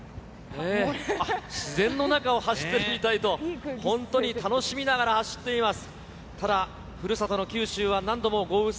自然の中を走ってるみたいと、本当に楽しみながら走っています。